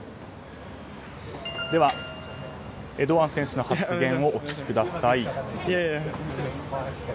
では、堂安選手の発言をお聞きください。